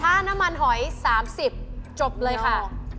น้ำมันหอย๓๐จบเลยค่ะ